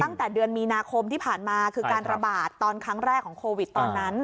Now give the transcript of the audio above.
ตั้งแต่เดือนมีนาคมที่ผ่านมาคือการระบาดตอนครั้งแรกของโควิดตอนนั้น